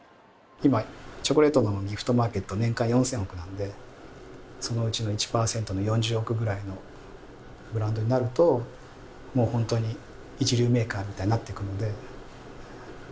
今チョコレートのギフトマーケット年間４，０００億円なのでそのうちの１％の４０億円ぐらいのブランドになるともうホントに一流メーカーみたいになっていくので。